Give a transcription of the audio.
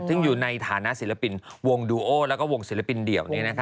ซึ่งอยู่ในฐานะศิลปินวงดูโอแล้วก็วงศิลปินเดี่ยว